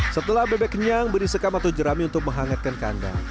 setelah bebek kenyang beri sekam atau jerami untuk menghangatkan kandang